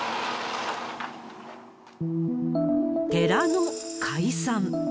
寺の解散。